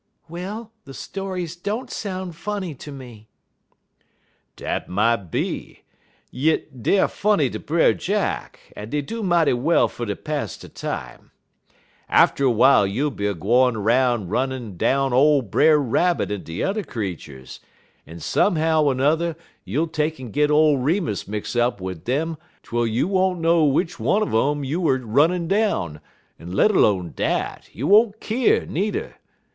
"Well, the stories don't sound funny to me." "Dat mought be, yit deyer funny ter Brer Jack, en dey do mighty well fer ter pass de time. Atter w'ile you'll be a gwine 'roun' runnin' down ole Brer Rabbit en de t'er creeturs, en somehow er n'er you'll take'n git ole Remus mix up wid um twel you won't know w'ich one un um you er runnin' down, en let 'lone dat, you won't keer needer.